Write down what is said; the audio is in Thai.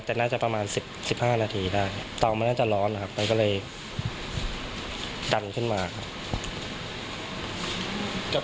แต่น่าจะประมาณ๑๕นาทีได้เตามันน่าจะร้อนนะครับมันก็เลยดันขึ้นมาครับ